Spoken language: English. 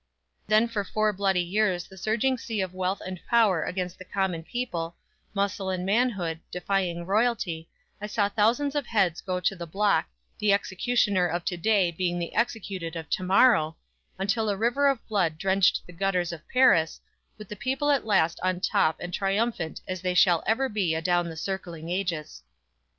Then for four bloody years the surging sea of wealth and power against the common people, muscle and manhood, defying royalty, I saw thousands of heads go to the block, the executioner of to day being the executed of to morrow, until a river of blood drenched the gutters of Paris, with the people at last on top and triumphant as they shall ever be adown the circling ages!